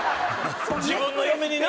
自分の嫁にな